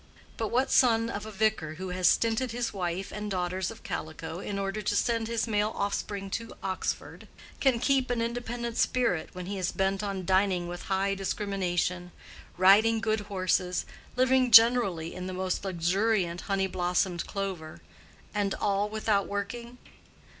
But what son of a vicar who has stinted his wife and daughters of calico in order to send his male offspring to Oxford, can keep an independent spirit when he is bent on dining with high discrimination, riding good horses, living generally in the most luxuriant honey blossomed clover—and all without working?